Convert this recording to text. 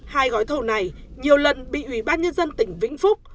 hai gói thầu này nhiều lần bị ủy ban nhân dân tỉnh vĩnh phúc